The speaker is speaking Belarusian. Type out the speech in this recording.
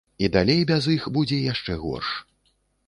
І далей без іх будзе яшчэ горш.